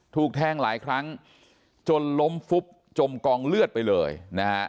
ถูกแทงหลายครั้งจนล้มฟุบจมกองเลือดไปเลยนะฮะ